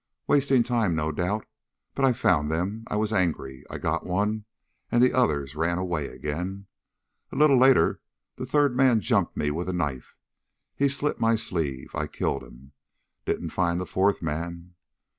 Wasting time, no doubt, but I found them. I was angry. I got one, and the others ran away again. A little later the third man jumped me with a knife. He slit my sleeve. I killed him. Didn't find the fourth man."